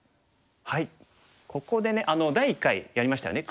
ここでね第１回やりましたよね